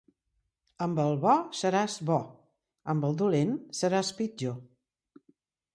Amb el bo seràs bo, amb el dolent seràs pitjor.